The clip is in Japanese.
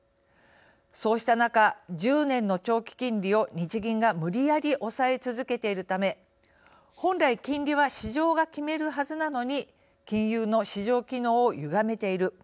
そうした中１０年の長期金利を日銀が無理やり抑え続けているため本来金利は市場が決めるはずなのに金融の市場機能をゆがめている。